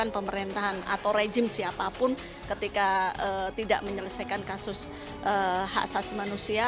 pemerintahan atau rejim siapapun ketika tidak menyelesaikan kasus hak asasi manusia